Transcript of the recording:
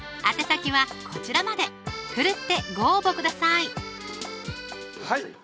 宛先はこちらまで奮ってご応募ください